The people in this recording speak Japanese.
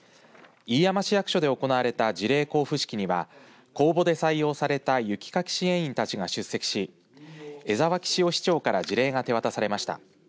飯山市役所で行われた辞令交付式には公募で採用された雪かき支援員たちが出席し江沢岸生市長から辞令が手渡されました。